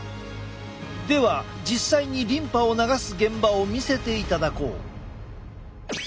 では実際にリンパを流す現場を見せていただこう。